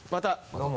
どうも。